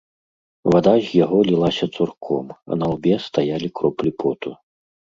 Вада з яго лілася цурком, а на лбе стаялі кроплі поту.